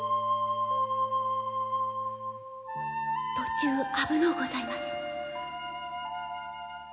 途中危のうございます。